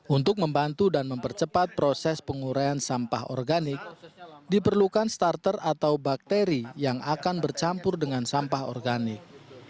untuk membantu dan mempercepat proses penguraian sampah organik diperlukan starter atau bakteri yang akan bercampur dengan sampah organik